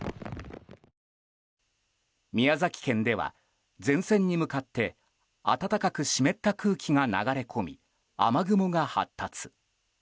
宮崎県では前線に向かって暖かく湿った空気が流れ込み雨雲が発達。